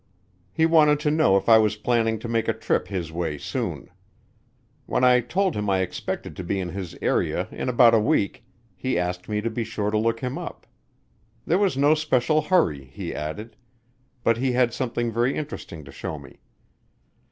He wanted to know if I was planning to make a trip his way soon. When I told him I expected to be in his area in about a week, he asked me to be sure to look him up. There was no special hurry, he added, but he had something very interesting to show me.